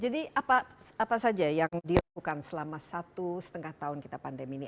jadi apa saja yang dilakukan selama satu setengah tahun kita pandemi ini